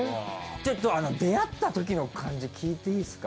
ちょっとあの出会ったときの感じ聞いていいですか？